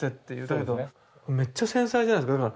だけどめっちゃ繊細じゃないですか。